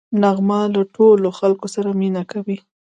نغمه له ټولو خلکو سره مینه کوي